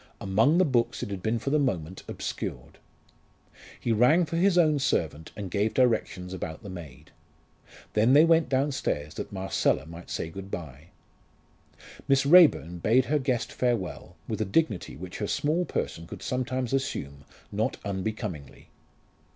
Among the books it had been for the moment obscured. He rang for his own servant, and gave directions about the maid. Then they went downstairs that Marcella might say good bye. Miss Raeburn bade her guest farewell, with a dignity which her small person could sometimes assume, not unbecomingly.